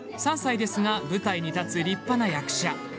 ３歳ですが舞台に立つ立派な役者。